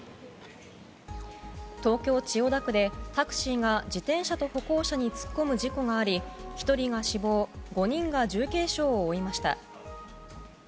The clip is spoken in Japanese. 東京・千代田区でタクシーが自転車と歩行者に突っ込む事故があり１人が死亡５人が重軽傷を負いました。